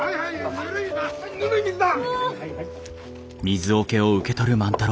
ぬるい水だ！